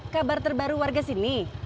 kabar terbaru warga sini